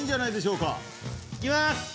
いきます！